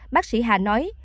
bác sĩ hà nói